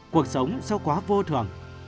cuộc sống sao quá vô thường